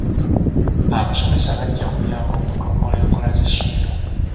Abasomesa bajja kuyamba okutumbula enkola z'essomero.